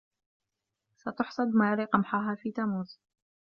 ستحصد ماري قمحها في تموز.